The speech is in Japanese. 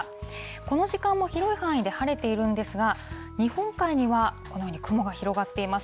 この時間も広い範囲で晴れているんですが、日本海にはこのように雲が広がっています。